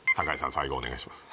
最後お願いします